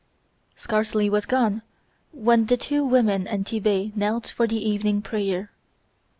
Scarcely was François gone when the two women and Tit'Bé knelt for the evening prayer.